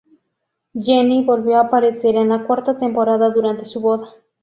Jenny volvió a aparecer en la cuarta temporada durante su boda.